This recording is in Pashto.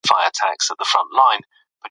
هغه د ځان باور لوړوي.